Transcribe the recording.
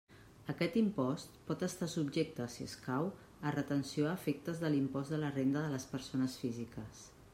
Aquest import pot estar subjecte, si escau, a retenció a efectes de l'impost de la renda de les persones físiques.